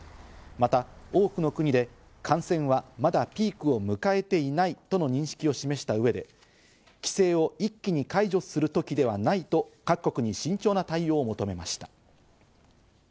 また多くの国で感染はまだピークを迎えていないとの認識を示した上で、規制を一気に解除する時ではないと各国に慎重な対応を求めました。